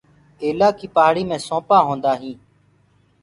ڪيلآ ڪيٚ پآهڙي مي سونٚپآ هوندآ هينٚ۔